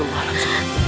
aku sudah berhenti